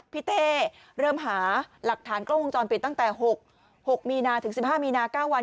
พี่เต้เริ่มหาหลักฐานกล้องวงจรปิดตั้งแต่๖มีนาถึง๑๕มีนา๙วัน